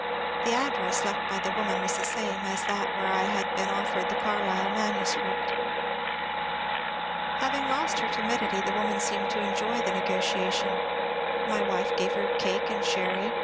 The address left by the woman was the same as that where I had been offered the Carlyle manu script. Having lost her timidity, the woman seemed to enjoy the negotiation. My wife gave her cake and sherry.